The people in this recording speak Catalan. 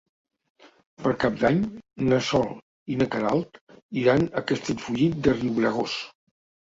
Per Cap d'Any na Sol i na Queralt iran a Castellfollit de Riubregós.